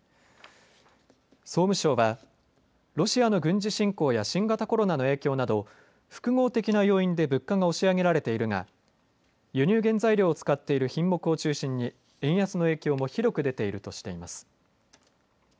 総務省はロシアの軍事侵攻や新型コロナの影響など複合的な要因で物価が押し上げられているが輸入原材料を使っている品目を中心に円安の影響も広く出ているとしています。